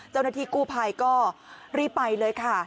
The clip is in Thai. เจ้าหน้าที่กู้ภัยก็รีบไปเลยค่ะ